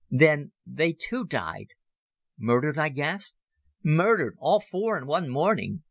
Then they, too, died." "Murdered?" I gasped. "Murdered ... all four in one morning.